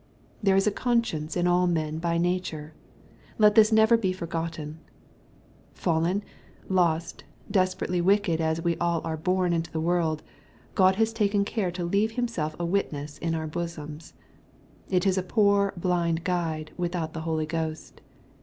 There is a conscience in all men by nature. Let this never he forgotten. Fallen, lost, desperately wicked as we are all born into the world, G od has taken care to leave Himself a witness in our bosoms. It is a poor blind guide, without the Holy Ghost.